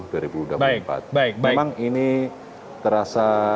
memang ini terasa